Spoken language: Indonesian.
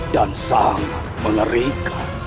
dan sangat mengerikan